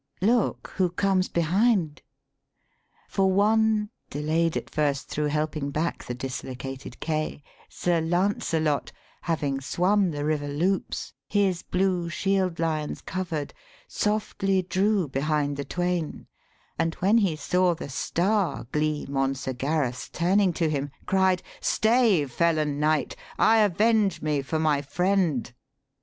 ., 'Look, Who comes behind?' 195 THE SPEAKING VOICE For one delay'd at first Thro' helping back the dislocated Kay Sir Lancelot, having swum the river loops His blue shield lions cover'd softly drew Behind the twain, and when he saw the star Gleam, on Sir Gareth's turning to him, cried, 'Stay, felon knight, I avenge me for my friend.'